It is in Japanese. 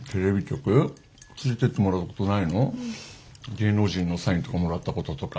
芸能人のサインとかもらったこととか？